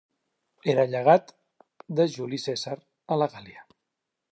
Era llegat de Juli Cèsar a la Gàl·lia.